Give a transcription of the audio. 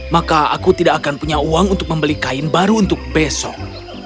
maka aku tidak akan punya uang untuk membeli kain baru untuk besok